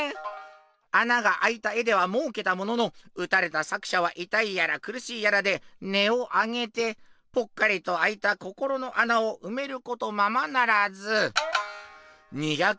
穴があいた絵ではもうけたものの撃たれた作者は痛いやら苦しいやらで音を上げてぽっかりとあいた心の穴をうめることままならず。